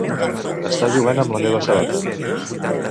Està jugant amb la meva sabata.